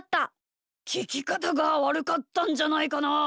ききかたがわるかったんじゃないかな？